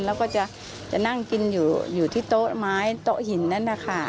แล้วก็จะนั่งกินอยู่ที่โต๊ะหินนั่นค่ะ